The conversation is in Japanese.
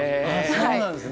そうなんですね。